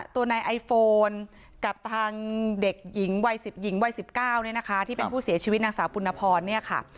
ตัวนายไอโฟนกับทางเด็กหญิงวัย๑๐หญิงวัย๑๙เนี่ยนะคะที่เป็นผู้เสียชีวิตนางสาวปุณพรเนี่ยค่ะ